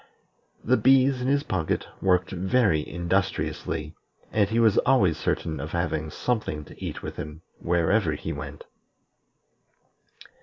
The bees in his pocket worked very industriously, and he was always certain of having something to eat with him wherever he went.